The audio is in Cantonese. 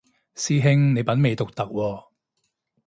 師兄你品味獨特喎